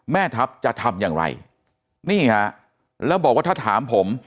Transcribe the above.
แม่ทัพจะทำอย่างไรนี่ฮะแล้วบอกว่าถ้าถามผม